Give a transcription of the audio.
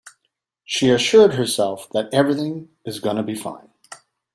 She assured herself that everything is gonna be fine.